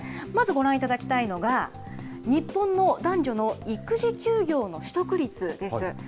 まずご覧いただきたいのが、日本の男女の育児休業の取得率です。